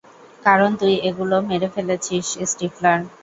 কারণ, তুই এগুলো মেরে ফেলেছিস, স্টিফলার।